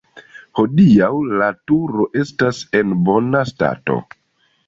Hodiaŭ la turo estas en bona stato.